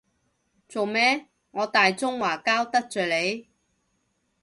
做咩，我大中華膠得罪你？